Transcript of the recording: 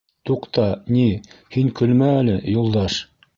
— Туҡта, ни, һин көлмә әле, Юлдаш.